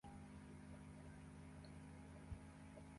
Kiingereza "visa" ni umbo tofauti la Kilatini hiki.